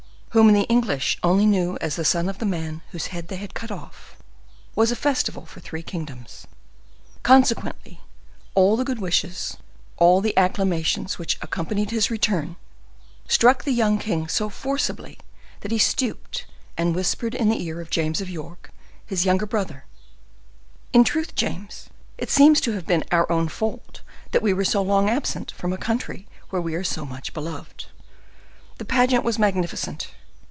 whom the English only knew as the son of the man whose head they had cut off, was a festival for three kingdoms. Consequently, all the good wishes, all the acclamations which accompanied his return, struck the young king so forcibly that he stooped and whispered in the ear of James of York, his younger brother, "In truth, James, it seems to have been our own fault that we were so long absent from a country where we are so much beloved!" The pageant was magnificent.